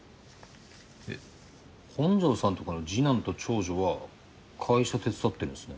えっ本城さんとこの次男と長女は会社手伝ってんですね。